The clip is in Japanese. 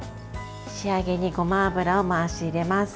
仕上げに、ごま油を回し入れます。